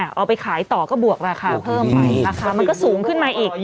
เอาไปขายต่อก็บวกราคาเพิ่มไปราคามันก็สูงขึ้นมาอีก